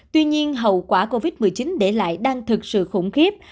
tuy nhiên hậu quả covid một mươi chín để lại đang thực sự khủng khiếp